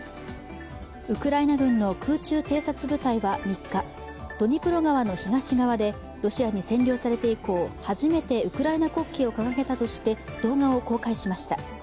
ウクライナ軍の空中偵察部隊は３日、ドニプロ川の東側でロシアに占領されて以降初めてウクライナ国旗を掲げたとして動画を公開しました。